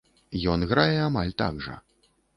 Ён грае амаль так жа.